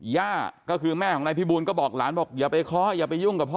ย่าก็คือแม่ของนายพิบูลก็บอกหลานบอกอย่าไปเคาะอย่าไปยุ่งกับพ่อ